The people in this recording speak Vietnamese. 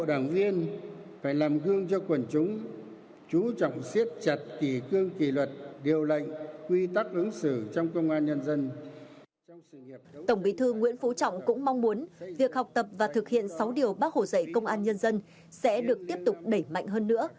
tổng bí thư nguyễn phú trọng cũng mong muốn việc học tập và thực hiện sáu điều bác hồ dạy công an nhân dân sẽ được tiếp tục đẩy mạnh hơn nữa